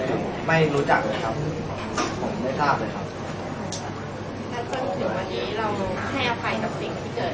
ก็จนถึงวันนี้เราให้อภัยกับสิ่งที่เกิดขึ้นแล้วก็ผมจะยุ่นที่จะทำการแบบนี้